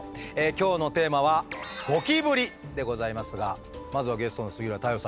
今日のテーマは「ゴキブリ」でございますがまずはゲストの杉浦太陽さんいかがですか？